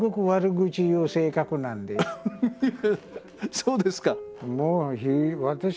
そうですか。